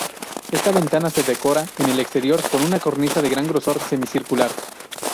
Esta ventana se decora en el exterior con una cornisa de gran grosor, semicircular.